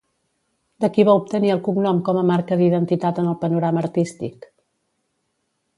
De qui va obtenir el cognom com a marca d'identitat en el panorama artístic?